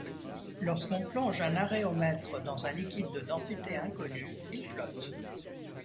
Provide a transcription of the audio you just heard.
Lorsqu’on plonge un aréomètre dans un liquide de densité inconnue, il flotte.